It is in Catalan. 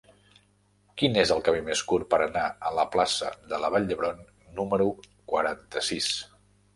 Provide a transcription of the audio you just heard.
Quin és el camí més curt per anar a la plaça de la Vall d'Hebron número quaranta-sis?